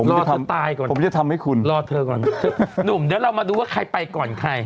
รอถึงตายก่อนผมจะทำให้คุณรอเธอก่อนหนุ่มเดี๋ยวเรามาดูว่าใครไปก่อนใคร